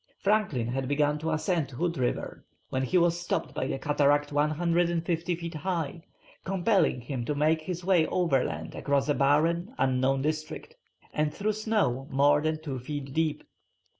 Franklin had begun to ascend Hood River, when he was stopped by a cataract 250 feet high, compelling him to make his way overland across a barren, unknown district, and through snow more than two feet deep.